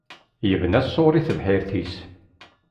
Yebna ṣṣuṛ i tebḥirt-is.